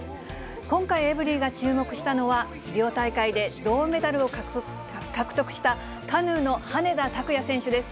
今回、エブリィが注目したのは、リオ大会で銅メダルを獲得したカヌーの羽根田卓也選手です。